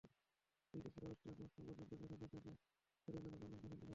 বিকেল সাড়ে পাঁচটা পর্যন্ত সেখানে ট্রাকে করে বালু এনে ফেলতে দেখা যায়।